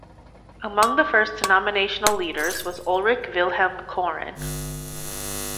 Among the first denominational leaders was Ulrik Vilhelm Koren.